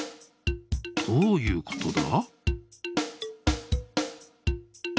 どういうことだ？